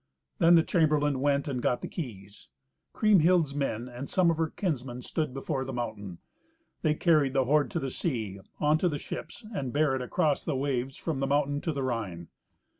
Then the chamberlain went and got the keys. Kriemhild's men and some of her kinsmen stood before the mountain. They carried the hoard to the sea, on to the ships, and bare it across the waves from the mountain to the Rhine.